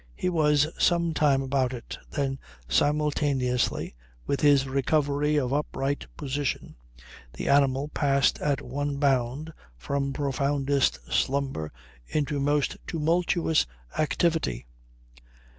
He was some time about it; then simultaneously with his recovery of upright position the animal passed at one bound from profoundest slumber into most tumultuous activity.